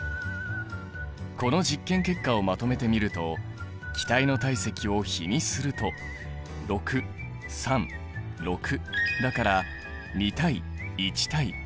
この実験結果をまとめてみると気体の体積を比にすると６３６だから２対１対２だ。